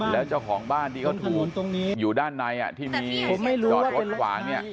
แล้วเจ้าของบ้านดีก็ทูลอยู่ด้านในที่มีจอดรถขวา